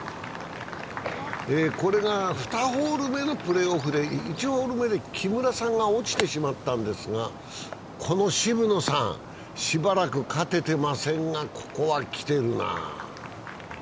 これが２ホール目のプレーオフで１ホール目で木村さんが落ちてしまったんですが、この渋野さん、しばらく勝ててませんがここはきてるな。